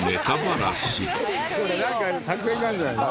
なんか作戦があるんじゃないの？